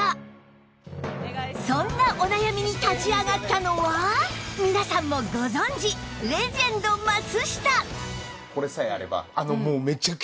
そんなお悩みに立ち上がったのは皆さんもご存じレジェンド松下